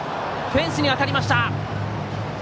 フェンスに当たりました。